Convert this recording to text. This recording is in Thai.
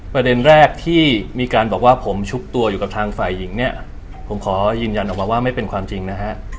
ประเด็นแรกที่มีการบอกว่าผมชุบตัวอยู่กับทางฝ่ายหญิงเนี่ยผมขอยืนยันออกมาว่าไม่เป็นความจริงนะฮะ